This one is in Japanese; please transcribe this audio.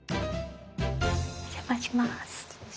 お邪魔します。